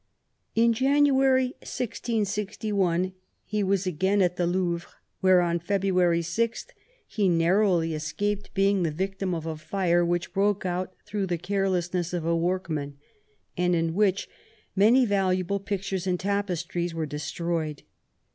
In January 1661 he was again at the Louvre, where on February 6 he narrowly escaped being the victim of a fire, which broke out through the care lessness of a workman, and in which many valuable pictures and tapestries were destroyed.